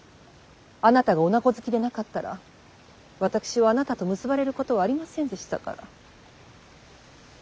あなたが女子好きでなかったら私はあなたと結ばれることはありませんでしたから。